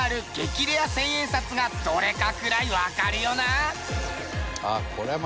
レア１０００円札がどれかくらいわかるよな？